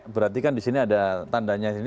berarti kan di sini ada tandanya sini